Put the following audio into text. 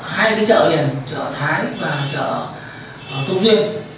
hai cái chợ liền chợ thái và chợ thúc riêng